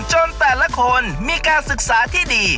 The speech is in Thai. แต่ละคนมีการศึกษาที่ดี